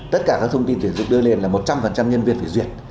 tất cả các thông tin tuyển dụng đưa lên là một trăm linh nhân viên phải duyệt